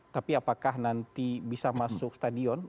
tapi apakah nanti bisa masuk stadion